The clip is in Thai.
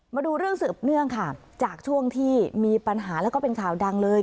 มาดูเรื่องสืบเนื่องค่ะจากช่วงที่มีปัญหาแล้วก็เป็นข่าวดังเลย